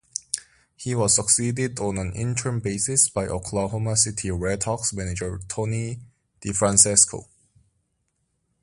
He was succeeded on an interim basis by Oklahoma City RedHawks manager Tony DeFrancesco.